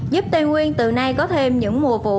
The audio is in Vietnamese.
giúp tây nguyên từ nay có thêm những mùa vụ